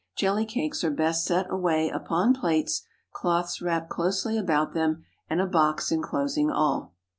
Jelly cakes are best set away upon plates, cloths wrapped closely about them, and a box enclosing all.